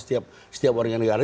setiap warga negara